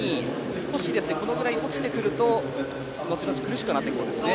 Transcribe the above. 少し、このぐらい落ちてくるとのちのち苦しくなってきそうです。